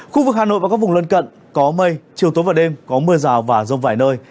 khu vực hà nội và các vùng lân cận có mây chiều tối và đêm có mưa rào và rông vài nơi